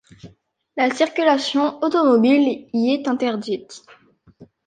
La circulation automobile y est interdite.